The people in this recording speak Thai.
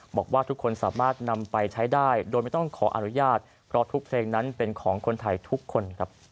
บอกว่าทุกคนสามารถนำไปใช้ได้โดยไม่ต้องขออนุญาตเพราะทุกเพลงนั้นเป็นของคนไทยทุกคนครับ